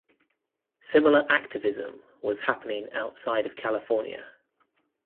Similar activism was happening outside of California.